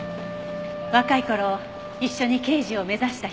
若い頃一緒に刑事を目指した人とか。